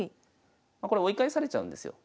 これ追い返されちゃうんですよ